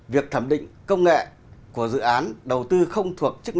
việc thẩm định công nghệ của dự án đầu tư không thuộc chế biến